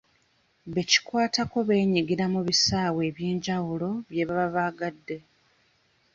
Be kikwatako beenyigira mu bisaawe eby'enjawulo bye baba baagadde.